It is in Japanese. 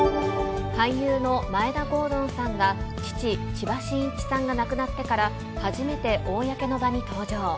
俳優の眞栄田郷敦さんが、父、千葉真一さんが亡くなってから初めて公の場に登場。